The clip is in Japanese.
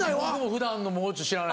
普段のもう中知らない。